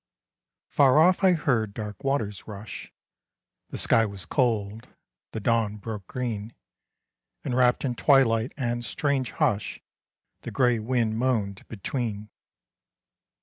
Far off I heard dark waters rush; The sky was cold; the dawn broke green; And wrapped in twilight and strange hush The gray wind moaned between.